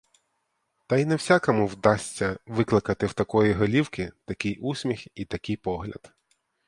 Та й не всякому вдасться викликати в такої голівки такий усміх і такий погляд.